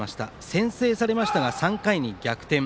先制されましたが３回に逆転。